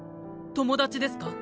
友達ですか？